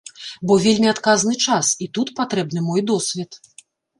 Бо вельмі адказны час, і тут патрэбны мой досвед.